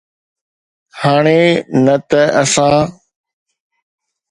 هاڻي نه ته اسان